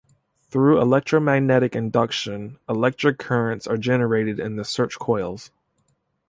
Through electromagnetic induction, electric currents are generated in the search coils.